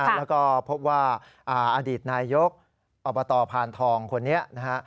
แล้วก็พบว่าอดีตนายยกอบตพานทองคนนี้นะฮะ